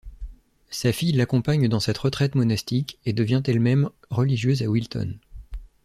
Sa fille l'accompagne dans cette retraite monastique et devient elle-même religieuse à Wilton.